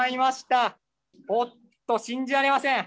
おっと信じられません。